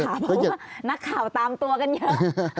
เพราะว่านักข่าวตามตัวกันเยอะ